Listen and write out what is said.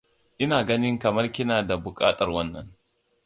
Ina ganin kamar kina da buƙatar wannan.